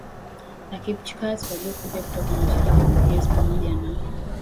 na Kipchaks waliokuja kutoka mashariki Oguzes pamoja na